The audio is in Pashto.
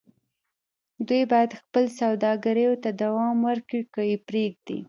دوی بايد خپلو سوداګريو ته دوام ورکړي که يې پرېږدي.